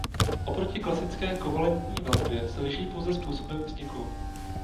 Oproti klasické kovalentní vazbě se liší pouze způsobem vzniku.